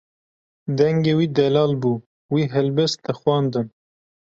Dengê wî delal bû, wî helbest dixwandin.